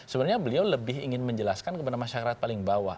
sebenarnya beliau lebih ingin menjelaskan kepada masyarakat paling bawah